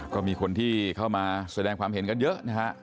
ก็มีคนที่เข้ามาแสดงความเห็นกันเยอะนะฮะ